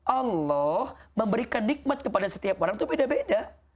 allah memberikan nikmat kepada setiap orang itu beda beda